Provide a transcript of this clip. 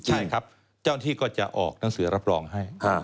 ทีนี้ก็จะออกหนังสือรับรองให้